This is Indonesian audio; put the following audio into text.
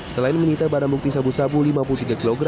selain menyita barang bukti sabu sabu lima puluh tiga kg